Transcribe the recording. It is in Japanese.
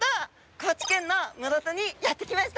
高知県の室戸にやって来ました。